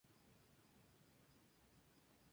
Adaptado parcialmente desde "AllMusic".